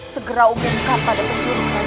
segera umumkan pada penjuru kerajaan